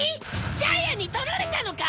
ジャイアンに取られたのか？